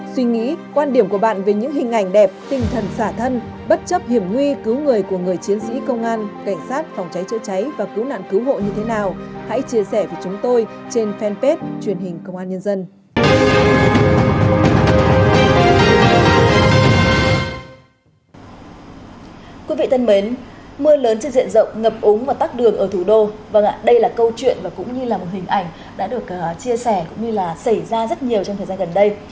suy nghĩ quan điểm của bạn về những hình ảnh đẹp tình thần xả thân bất chấp hiểm nguy cứu người của người chiến sĩ công an cảnh sát phòng cháy chữa cháy và cứu nạn cứu hộ như thế nào hãy chia sẻ với chúng tôi trên fanpage truyền hình công an nhân dân